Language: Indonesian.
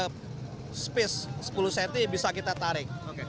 kalau kita bergerak ke atas space sepuluh cm bisa kita tarik